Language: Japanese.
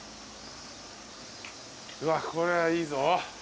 うわっこれはいいぞ。